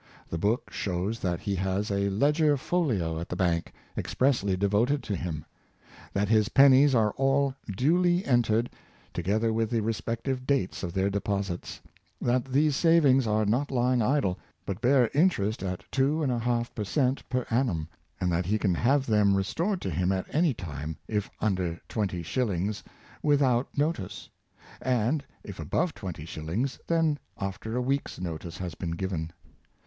The book shows that he has a ^^ ledger folio " at the bank, expressly devoted to him; that his pennies are all duly entered, together with the respective dates of their deposits; that these savings are not lying idle, but bear interest at two and a half per cent, per annum, and that he can have them re stored to him at any time, if under twenty shillings, without notice; and if above twenty shillings, then after a week's notice has been given.